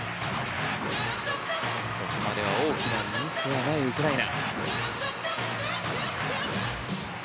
ここまでは大きなミスはないウクライナ。